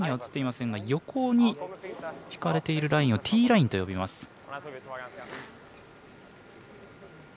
横に引かれているラインをティーラインと呼びます。